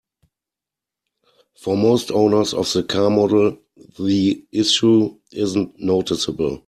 For most owners of the car model, the issue isn't noticeable.